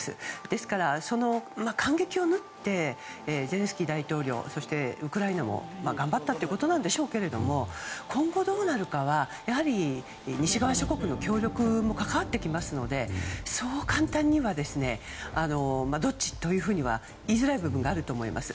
ですから、間隙を縫ってゼレンスキー大統領そしてウクライナも頑張ったということなんでしょうが今後どうなるかはやはり西側諸国の協力も関わってきますのでそう簡単にはどっちというふうには言いづらい部分があると思います。